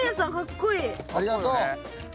ありがとう。